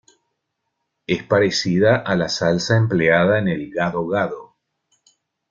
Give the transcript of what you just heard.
Es parecida a la salsa empleada en el "gado-gado".